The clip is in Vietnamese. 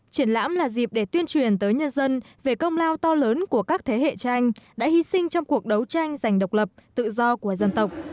triển lãm là dịp để tuyên truyền tới nhân dân về công lao to lớn của các thế hệ cha anh đã hy sinh trong cuộc đấu tranh giành độc lập tự do của dân tộc